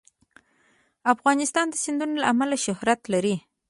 افغانستان د سیندونه له امله شهرت لري.